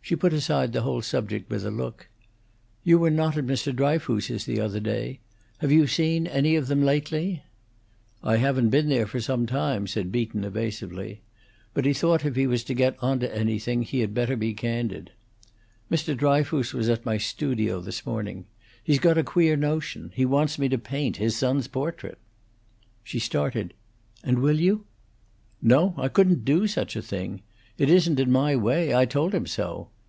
She put aside the whole subject with a look. "You were not at Mr. Dryfoos's the other day. Have you seen them, any of them, lately?" "I haven't been there for some time, no," said Beaton, evasively. But he thought if he was to get on to anything, he had better be candid. "Mr. Dryfoos was at my studio this morning. He's got a queer notion. He wants me to paint his son's portrait." She started. "And will you " "No, I couldn't do such a thing. It isn't in my way. I told him so.